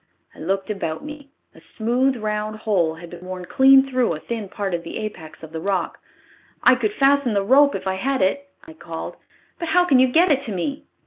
I looked about me; a smooth, round hole had been worn clean through a thin part of the apex of the rock. "I could fasten the rope if I had it!" I called. "But how can you get it to me?"